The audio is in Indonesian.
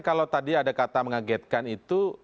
kalau tadi ada kata mengagetkan itu